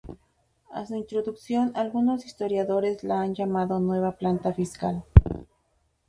A su introducción algunos historiadores la han llamado "Nueva Planta" fiscal.